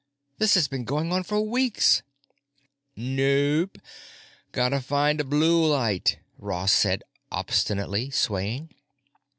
This has been going on for weeks!" "Nope. Gotta find a blue light," Ross said obstinately, swaying.